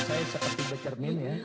saya seperti becermin ya